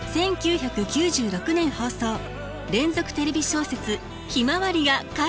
１９９６年放送連続テレビ小説「ひまわり」が帰ってくる。